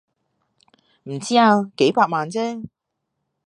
唔知啊，幾百萬啫